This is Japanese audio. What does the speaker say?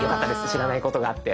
知らないことがあって。